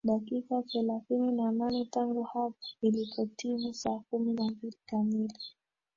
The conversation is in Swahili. dakika thelathini na nane tangu hapa ilipotimu saa kumi na mbili kamili